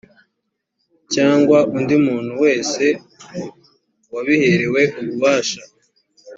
cyangwa undi muntu wese wabiherewe ububasha